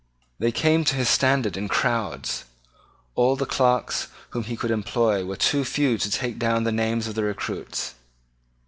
They came to his standard in crowds. All the clerks whom he could employ were too few to take down the names of the recruits.